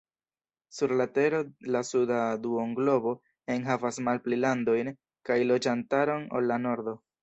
Sur la tero la suda duonglobo enhavas malpli landojn kaj loĝantaron ol la nordo.